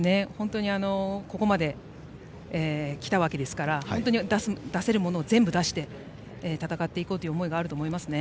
ここまできたわけですから本当に、出せるものを全部出して戦っていこうという思いがあると思いますね。